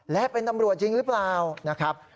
และเป็นตำรวจจริงหรือเปล่านะครับ